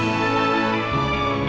aku mau ke rumah